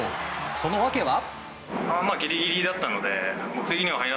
その訳は。